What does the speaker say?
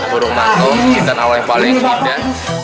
burung makau pecinta nawa yang paling indah